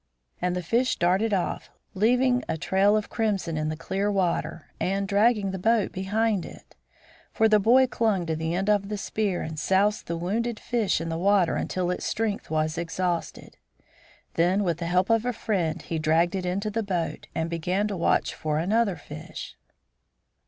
And the fish darted off, leaving a trail of crimson in the clear water and dragging the boat behind it; for the boy clung to the end of the spear and soused the wounded fish in the water until its strength was exhausted. Then with the help of a friend he dragged it into the boat, and began to watch for another fish.